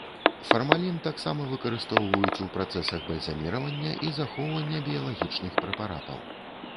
Фармалін таксама выкарыстоўваюць ў працэсах бальзаміравання і захоўвання біялагічных прэпаратаў.